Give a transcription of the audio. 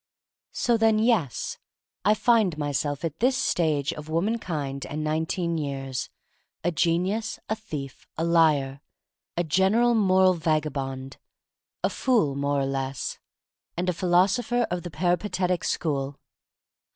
SO THEN, yes. I find myself at this stage of womankind and nineteen years, a genius, a thief, a liar — a general moral vagabond, a fool more or less, and a philosopher of the peripa tetic school.